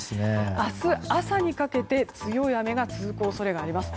明日朝にかけて強い雨が続く恐れがあります。